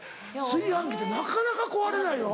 炊飯器ってなかなか壊れないよ。